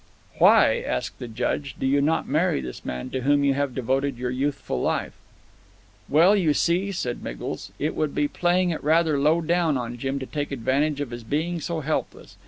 "Why," asked the Judge, "do you not marry this man to whom you have devoted your youthful life?" "Well, you see," said Miggles, "it would be playing it rather low down on Jim, to take advantage of his being so helpless.